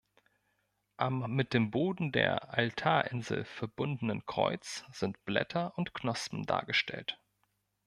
Am mit dem Boden der Altarinsel verbundenen Kreuz sind Blätter und Knospen dargestellt.